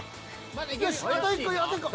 よしあと１個あと１個。